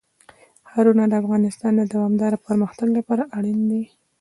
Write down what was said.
ښارونه د افغانستان د دوامداره پرمختګ لپاره اړین دي.